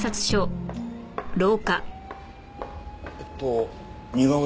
えっと似顔絵の？